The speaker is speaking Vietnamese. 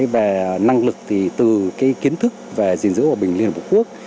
về năng lực thì từ kiến thức về gìn giữ hòa bình liên hợp quốc